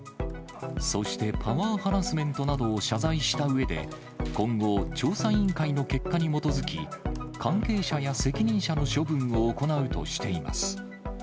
そしてパワーハラスメントなどを謝罪したうえで、今後、調査委員会の結果に基づき、関係者や責任者の処分を行うとしています。